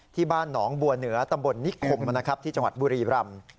ที่บ้านหนองบัวเหนือตำบลนิคมนะครับที่จังหวัดบุรีรำ